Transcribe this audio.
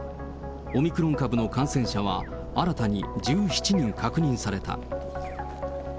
オミクロン株の感染者は、新たに１７人確認された。